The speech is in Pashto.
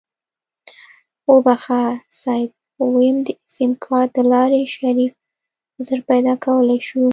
وبښه صيب ويم د سيمکارټ دلارې شريف زر پيدا کولی شو.